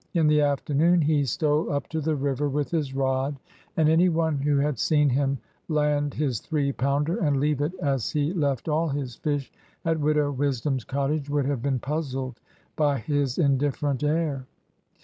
In the afternoon he stole up to the river with his rod; and any one who had seen him land his three pounder, and leave it, as he left all his fish, at Widow Wisdom's cottage, would have been puzzled by his indifferent air.